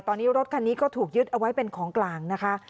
ตอนนี้รถคันนี้ก็ถูกยึดเอาไว้เป็นของกลางนะคะ